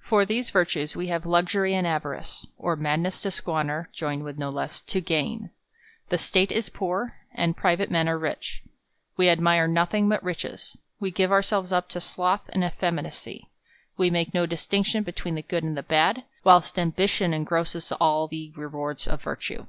For these virtues, we have luxury and avarice ; or madness to squander, joined with no less, to gain ; the State is poor, and private men are rich. We ad mire nothing but riches ; we give ourselves up to sloth and effeminacy ; we make no distinction between the good and the bad ; whilst ambition engrosses all the re wards of virtue.